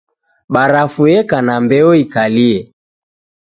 Barafu eka na mbeo ikalie.